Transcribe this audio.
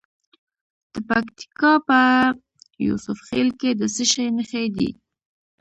د پکتیکا په یوسف خیل کې د څه شي نښې دي؟